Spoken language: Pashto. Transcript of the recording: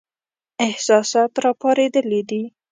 احساسات را پارېدلي دي.